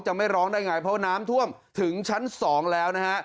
ไม่ร้องได้ไงเพราะว่าน้ำท่วมถึงชั้น๒แล้วนะฮะ